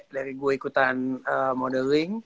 dari gue ikutan modeling